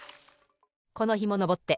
このひものぼって。